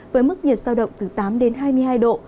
với mức nhiệt sao động từ tám đến hai mươi hai độ